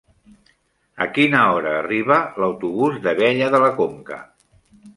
A quina hora arriba l'autobús d'Abella de la Conca?